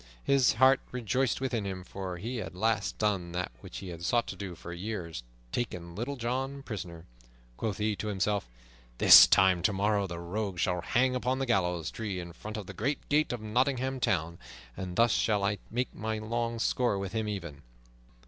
His heart rejoiced within him, for he had at last done that which he had sought to do for years, taken Little John prisoner. Quoth he to himself, "This time tomorrow the rogue shall hang upon the gallows tree in front of the great gate of Nottingham Town, and thus shall I make my long score with him even."